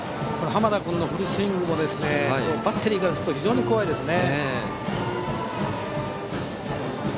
濱田君のフルスイングもバッテリーからすると非常に怖いですね。